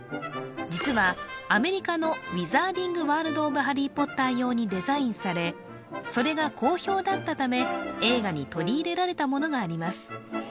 実はアメリカのウィザーディング・ワールド・オブ・ハリー・ポッター用にデザインされそれが好評だったため映画に取り入れられたものがあります